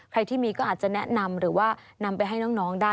ใครที่มีก็อาจจะแนะนำหรือว่านำไปให้น้องได้